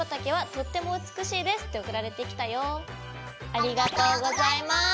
ありがとうございます。